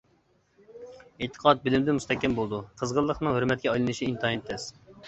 ئېتىقاد بىلىمدىن مۇستەھكەم بولىدۇ، قىزغىنلىقنىڭ ھۆرمەتكە ئايلىنىش ئىنتايىن تەس.